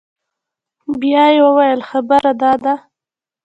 بيا يې وويل خبره دا ده.